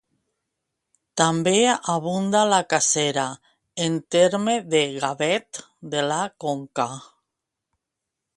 També abunda la cacera, en terme de Gavet de la Conca.